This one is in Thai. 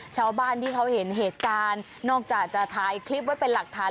ชาวบ้านที่เขาเห็นเหตุการณ์นอกจากจะถ่ายคลิปไว้เป็นหลักฐาน